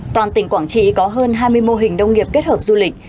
toàn tỉnh quảng trị có hơn hai mươi mô hình nông nghiệp kết hợp du lịch